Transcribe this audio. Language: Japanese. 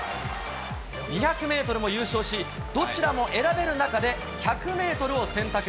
２００メートルも優勝し、どちらも選べる中で、１００メートルを選択。